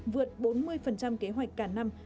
vượt bốn mươi kế hoạch cả năm